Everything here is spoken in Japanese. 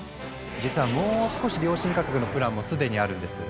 実はもう少し良心価格のプランも既にあるんです。